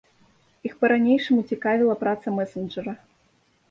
Іх па-ранейшаму цікавіла праца мэсэнджара.